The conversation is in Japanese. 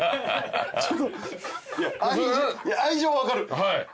愛情は分かる。